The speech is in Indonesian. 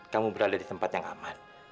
kamu berada di tempat yang aman